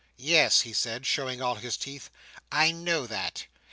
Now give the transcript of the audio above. "Yes," he said, showing all his teeth "I know that."